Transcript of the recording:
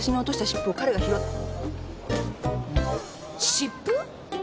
湿布？